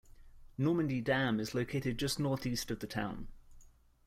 Normandy Dam is located just northeast of the town.